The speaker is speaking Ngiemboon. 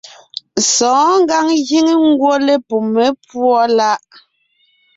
Sɔ̌ɔn ngǎŋ giŋ ngwɔ́ lepumé púɔ láʼ.